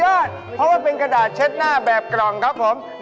เพราะว่าเป็นกระดาษเช็ดหน้าแบบกล่องครับผม